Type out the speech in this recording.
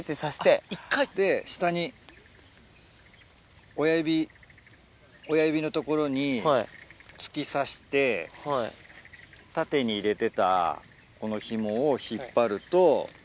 で下に親指のところに突き刺して縦に入れてたこのひもを引っ張ると。